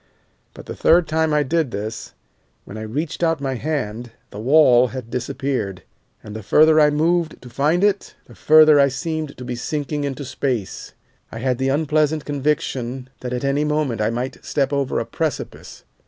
But the third time I did this, when I reached out my hand, the wall had disappeared, and the further I moved to find it the further I seemed to be sinking into space. I had the unpleasant conviction that at any moment I might step over a precipice.